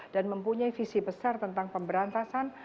dan mempunyai visi besar tentang pemberantasan